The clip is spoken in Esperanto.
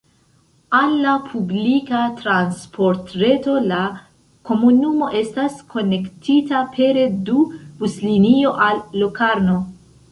Al la publika transportreto la komunumo estas konektita pere du buslinio al Locarno.